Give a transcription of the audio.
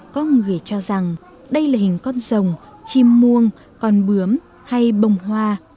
có người cho rằng đây là hình con rồng chim muông con bướm hay bông hoa